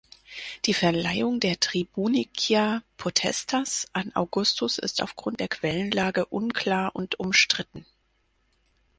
Die Verleihung der "tribunicia potestas" an Augustus ist aufgrund der Quellenlage unklar und umstritten.